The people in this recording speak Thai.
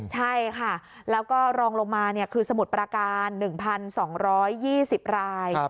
ใช่ค่ะแล้วก็รองลงมาคือสมุทรประการ๑๒๒๐ราย